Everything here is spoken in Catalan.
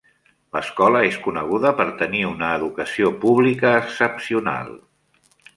L'escola és coneguda per tenir una educació pública excepcional.